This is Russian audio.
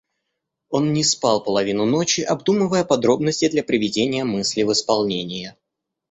Он не спал половину ночи, обдумывая подробности для приведения мысли в исполнение.